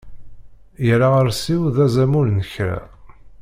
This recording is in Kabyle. Yal aɣersiw d azamul n kra.